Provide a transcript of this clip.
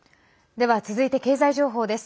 では続いて経済情報です。